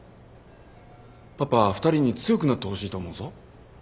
パパは２人に強くなってほしいと思うぞ。